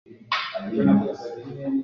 iv.